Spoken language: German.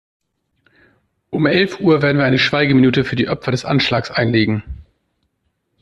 Um elf Uhr werden wir eine Schweigeminute für die Opfer des Anschlags einlegen.